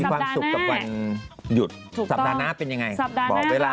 ที่ความสุขกับวันหยุดสัปดาห์หน้าเป็นอย่างไรบอกเวลามาสัปดาห์หน้า